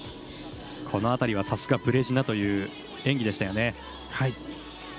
この辺りはさすがブレジナという演技でした。